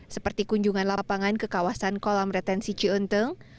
seperti kunjungan lapangan ke kawasan kolam retensi ciuntung